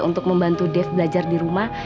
untuk membantu dave belajar di rumah